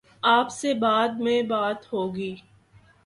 آپ سے بعد میں بات ہو گی۔